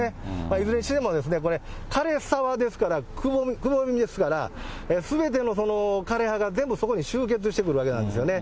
いずれにしても、かれ沢ですから、くぼみですから、すべての枯葉が全部そこに集結してくるわけなんですよね。